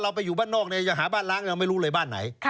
ไปอยู่บ้านนอกเนี่ยจะหาบ้านล้างเราไม่รู้เลยบ้านไหน